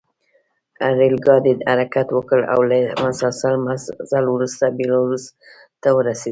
ریل ګاډي حرکت وکړ او له مسلسل مزل وروسته بیلاروس ته ورسېدل